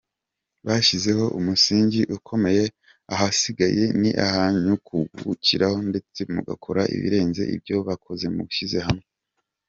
Bashyizeho umusingi ukomeye ahasigaye ni ahanyu kuwubakiraho ndetse mugakora ibirenze ibyo bakoze mushyize hamwe”.